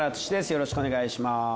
よろしくお願いします。